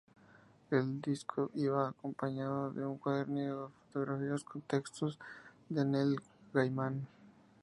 El disco iba acompañado de un cuadernillo de fotografías con textos de Neil Gaiman.